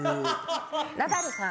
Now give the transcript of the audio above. ナダルさん。